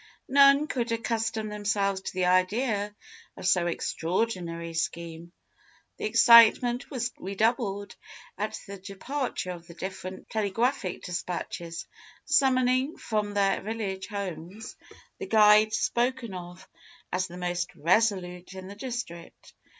None could accustom themselves to the idea of so extraordinary a scheme. The excitement was redoubled at the departure of the different telegraphic despatches summoning from their village homes the guides spoken of as the most resolute in the district.